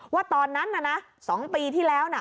ว่าตอนนั้นน่ะนะ๒ปีที่แล้วนะ